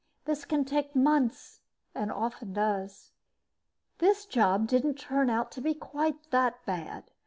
This can take months, and often does. This job didn't turn out to be quite that bad.